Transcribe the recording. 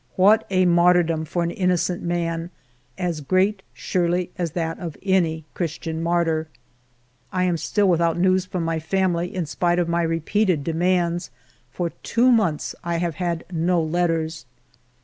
What a martyrdom for an innocent man, as great surely as that of any Christian martyr! I am still without news from mv family, in spite of my repeated demands; for two months I have had no letters.